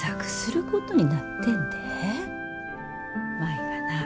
舞がな